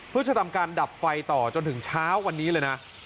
เพื่อจะทำการดับไฟต่อจนถึงเช้าวันนี้เลยนะ